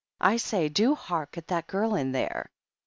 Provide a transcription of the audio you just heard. I say, do hark at that girl in there